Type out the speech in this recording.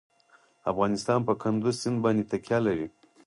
افغانستان په کندز سیند باندې تکیه لري.